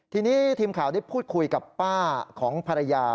ทีนี้ทีมข่าวได้พูดคุยกับป้าของภรรยา